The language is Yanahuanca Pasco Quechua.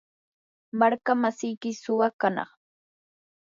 markamasiyki suwa kanaq.